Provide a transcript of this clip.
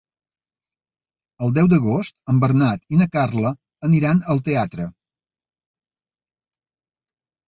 El deu d'agost en Bernat i na Carla aniran al teatre.